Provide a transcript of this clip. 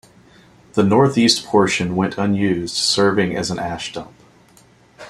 The northeast portion went unused, serving as an ash dump.